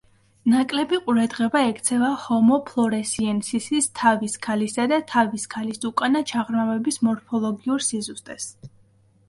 ნაკლები ყურადღება ექცევა ჰომო ფლორესიენსისის თავის ქალისა და თავის ქალის უკანა ჩაღრმავების მორფოლოგიურ სიზუსტეს.